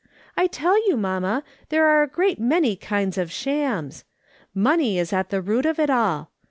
I tell you, mamma, there are a great many kinds of shams ! Money is at the root of it all.